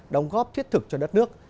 đóng góp thiết thực cho đất nước